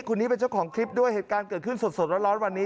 คนนี้เป็นเจ้าของคลิปด้วยเหตุการณ์เกิดขึ้นสดร้อนวันนี้